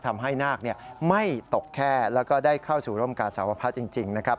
ทำให้นาคไม่ตกแค่แล้วก็ได้เข้าสู่ร่มกาสาวพะจริงนะครับ